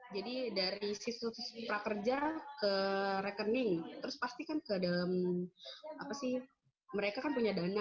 jadi dari sistem prakerja ke rekening terus pasti kan ke dalam apa sih mereka kan punya dana